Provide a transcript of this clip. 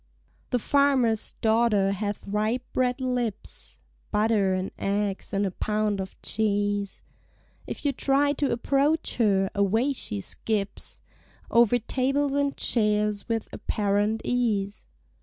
The farmer's daughter hath ripe red lips; (Butter and eggs and a pound of cheese) If you try to approach her, away she skips Over tables and chairs with apparent ease.